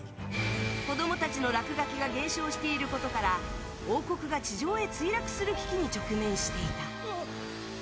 子供たちのラクガキが減少していることから王国が地上へ墜落する危機に直面していた。